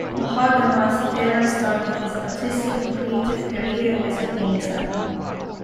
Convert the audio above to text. Mahagama Sekera started his artistic and creative career as a painter.